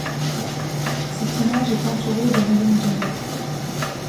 Cette image est entourée de rayons dorés.